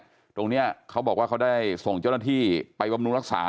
ตรงนี้เขาบอกว่าเขาได้ส่งเจ้าหน้าที่ไปบำรุงรักษา